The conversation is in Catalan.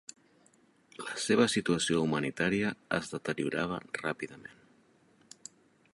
La seva situació humanitària es deteriorava ràpidament.